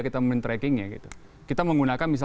kita men tracking nya kita menggunakan